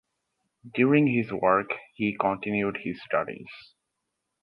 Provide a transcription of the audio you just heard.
During his work he continued his studies.